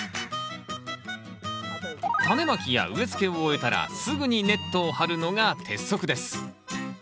タネまきや植えつけを終えたらすぐにネットを張るのが鉄則です。